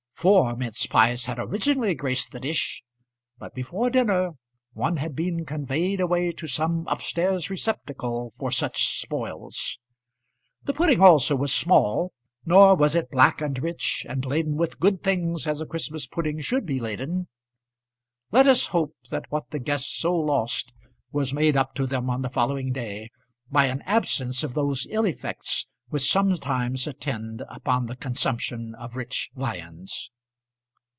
Four mince pies had originally graced the dish, but before dinner one had been conveyed away to some up stairs receptacle for such spoils. The pudding also was small, nor was it black and rich, and laden with good things as a Christmas pudding should be laden. Let us hope that what the guests so lost was made up to them on the following day, by an absence of those ill effects which sometimes attend upon the consumption of rich viands.